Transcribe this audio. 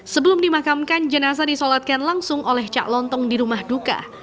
sebelum dimakamkan jenazah disolatkan langsung oleh cak lontong di rumah duka